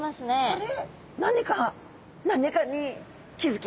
あれ？